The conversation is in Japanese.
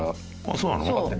そうなの？